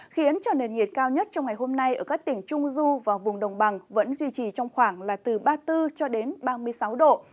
khiến cho nền nhiệt cao nhất trong ngày hôm nay ở các tỉnh trung du và vùng đồng bằng vẫn duy trì trong khoảng là từ ba mươi bốn cho đến ba mươi sáu độ